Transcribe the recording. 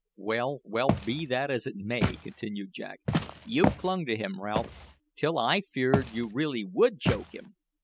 "Well, well, be that as it may," continued Jack, "you clung to him, Ralph, till I feared you really would choke him.